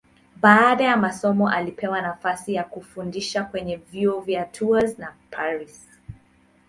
Baada ya masomo alipewa nafasi ya kufundisha kwenye vyuo vya Tours na Paris.